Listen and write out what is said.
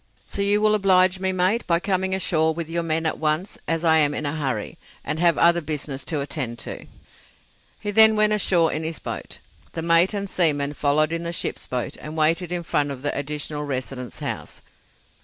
So you will oblige me, mate, by coming ashore with your men at once, as I am in a hurry, and have other business to attend to." He then went ashore in his boat. The mate and seamen followed in the ship's boat, and waited in front of the Additional Resident's house.